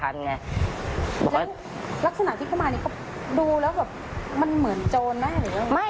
ลักษณะที่เพราะงานดูแล้วว่ามันเหมือนโจรไหม